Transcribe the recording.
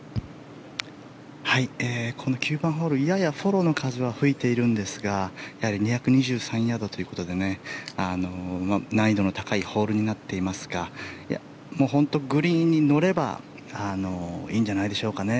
この９番ホールややフォローの風は吹いているんですがやはり２２３ヤードということで難易度の高いホールになっていますが本当、グリーンに乗ればいいんじゃないでしょうかね。